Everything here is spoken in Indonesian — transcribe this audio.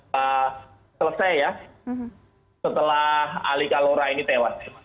selesai ya setelah ali kalora ini tewas